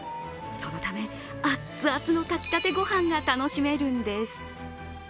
そのため、あっつあつの炊きたてご飯が楽しめるんです。